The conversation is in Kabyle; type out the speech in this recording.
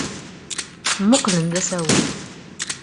Mmuqqlen d asawen.